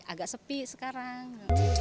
agak sepi sekarang